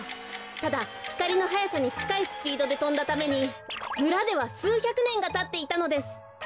ただひかりのはやさにちかいスピードでとんだためにむらではすうひゃくねんがたっていたのです。